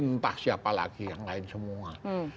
entah siapa lagi yang lain semua